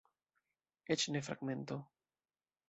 Eĉ ne fragmento.